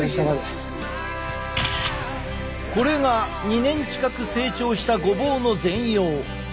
これが２年近く成長したごぼうの全容。